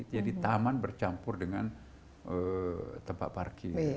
jadi taman bercampur dengan tempat parkir